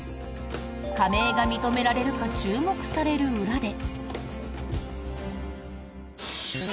加盟が認められるか注目される裏で。